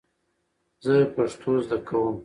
زه پښتو زده کوم .